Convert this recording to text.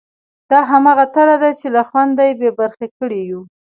دا همغه تله ده چې له خوند بې برخې کړي یو.